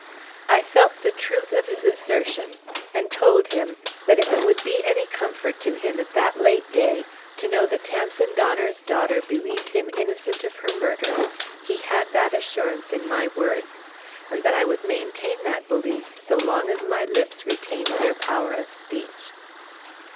I felt the truth of his assertion, and told him that if it would be any comfort to him at that late day to know that Tamsen Donner's daughter believed him innocent of her murder, he had that assurance in my words, and that I would maintain that belief so long as my lips retained their power of speech.